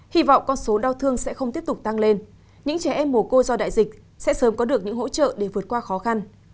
hy vọng con số đau thương sẽ không tiếp tục tăng lên những trẻ em mồ côi do đại dịch sẽ sớm có được những hỗ trợ để vượt qua khó khăn